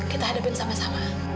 kita hadapin sama sama